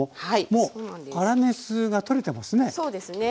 もう粗熱が取れてますね。